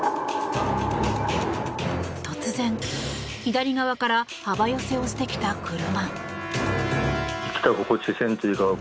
突然、左側から幅寄せをしてきた車。